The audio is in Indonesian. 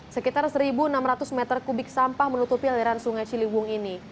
sekitar satu enam ratus meter kubik sampah menutupi aliran sungai ciliwung ini